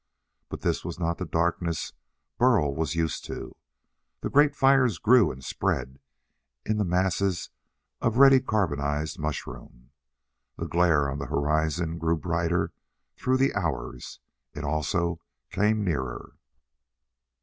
But this was not the darkness Burl was used to. The great fires grew and spread in the masses of ready carbonized mushroom. The glare on the horizon grew brighter through the hours. It also came nearer.